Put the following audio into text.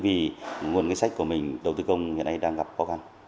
vì nguồn ngân sách của mình đầu tư công hiện nay đang gặp khó khăn